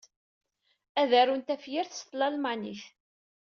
Ad arun tafyirt s tlalmanit.